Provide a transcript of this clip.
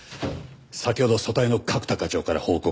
先ほど組対の角田課長から報告が。